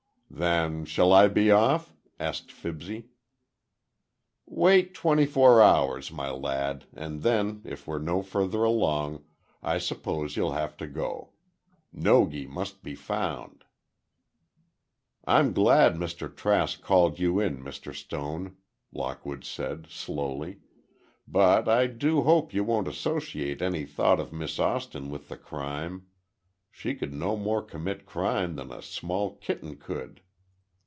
"Then, shall I be off?" asked Fibsy. "Wait twenty four hours, my lad, and then if we're no further along, I suppose you'll have to go. Nogi must be found." "I'm glad Mr. Trask called you in, Mr. Stone," Lockwood said, slowly, "but I do hope you won't associate any thought of Miss Austin with the crime. She could no more commit crime than a small kitten could."